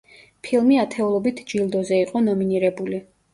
ფილმი ათეულობით ჯილდოზე იყო ნომინირებული.